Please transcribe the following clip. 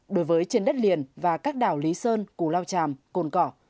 đối với trên đất liền và các đảo lý sơn củ lao tràm cồn cỏ